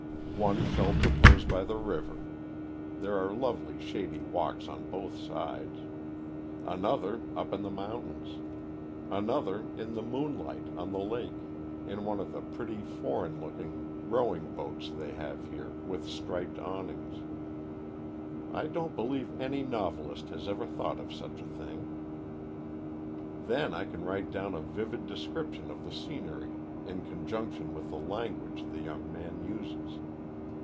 One shall propose by the river there are lovely shady walks on both sides; another, up in the mountains; another, in the moonlight on the lake, in one of the pretty foreign looking rowing boats they have here, with striped awnings. I don't believe any novelist has ever thought of such a thing. Then I can write down a vivid description of the scenery in conjunction with the language the young man uses.